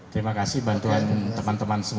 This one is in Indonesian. terima kasih bantuan teman teman semua